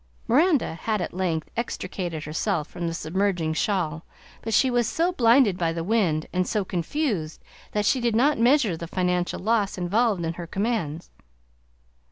Miranda had at length extricated herself from the submerging shawl, but she was so blinded by the wind, and so confused that she did not measure the financial loss involved in her commands.